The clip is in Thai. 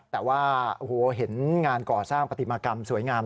แต่ว่าโอ้โหเห็นงานก่อสร้างปฏิมากรรมสวยงาม